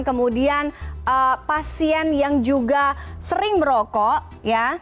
kemudian pasien yang juga sering merokok ya